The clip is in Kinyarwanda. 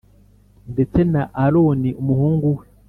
Ndetse na Aroni umuhumgu we